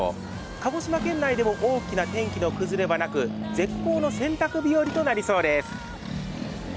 鹿児島県内でも大きな天気の崩れはなく絶好の洗濯日和となりそうです。